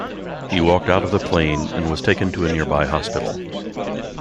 He walked out of the plane and was taken to a nearby hospital.